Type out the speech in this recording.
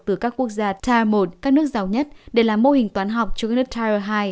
từ các quốc gia tier một các nước giàu nhất để làm mô hình toán học cho các nước tier hai